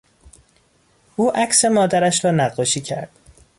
او عکس مادرش را نقاشی کرد.